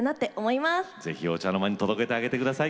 是非お茶の間に届けてあげて下さい。